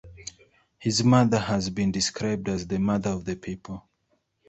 His mother has been described as "the mother of the people".